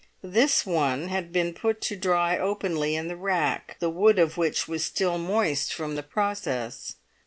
This one had been put to dry openly in the rack, the wood of which was still moist from the process.